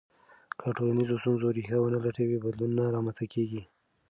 که د ټولنیزو ستونزو ریښه ونه لټوې، بدلون نه رامنځته کېږي.